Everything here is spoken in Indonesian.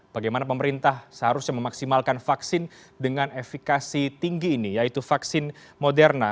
bagaimana pemerintah seharusnya memaksimalkan vaksin dengan efikasi tinggi ini yaitu vaksin moderna